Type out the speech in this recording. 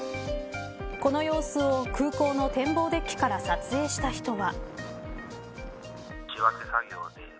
この様子を空港の展望デッキから撮影した人は。